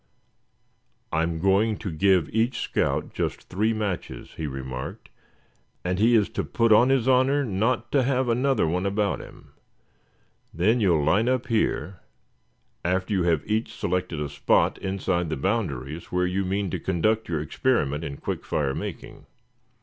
"I'm going to give each scout just three matches," he remarked, "and he is put on his honor not to have another one about him. Then you will line up here, after you have each selected a spot inside the boundaries where you mean to conduct your experiment in quick fire making.